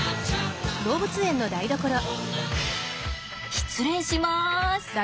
失礼します。